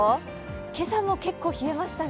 今朝も結構冷えましたが。